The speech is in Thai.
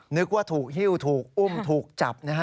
นึกว่าถูกหิ้วถูกอุ้มถูกจับนะฮะ